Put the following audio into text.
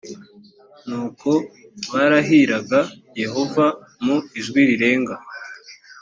nuko barahirag yehova mu ijwi rirenga